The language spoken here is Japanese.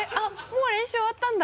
もう練習終わったんだ。